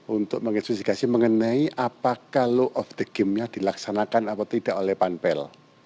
untuk menginvestigasi mengenai apakah law of the game nya dilaksanakan atau tidak oleh panpel